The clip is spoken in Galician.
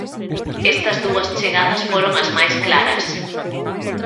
Estas dúas chegadas foron as máis claras.